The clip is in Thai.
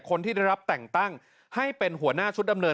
คนที่ได้รับแต่งตั้งให้เป็นหัวหน้าชุดดำเนิน